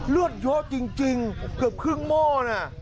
เลือดเยอะจริงเกือบครึ่งหม้อนะ